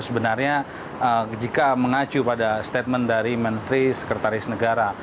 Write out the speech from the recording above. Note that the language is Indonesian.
sebenarnya jika mengacu pada statement dari menteri sekretaris negara